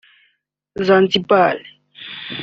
Zanzibar